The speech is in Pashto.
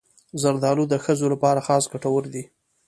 زردالو د ښځو لپاره خاص ګټور دی.